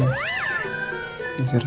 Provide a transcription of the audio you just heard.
sekarang jogo kereta